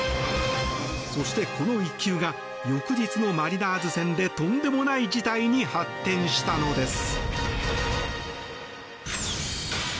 そして、この１球が翌日のマリナーズ戦でとんでもない事態に発展したのです。